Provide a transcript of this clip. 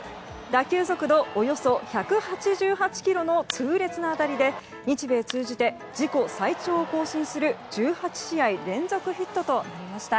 打球速度およそ１８８キロの痛烈な当たりで日米通じて自己最長を更新する１８試合連続ヒットとなりました。